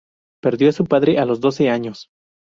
Perdió a su padre a los doce años.